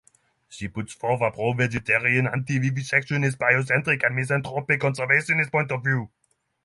She puts forth a pro-vegetarian, anti-vivisectionist, biocentric, and misanthropic conservationist point of view.